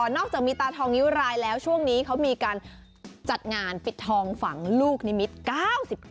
อกจากมีตาทองนิ้วรายแล้วช่วงนี้เขามีการจัดงานปิดทองฝังลูกนิมิตร๙๙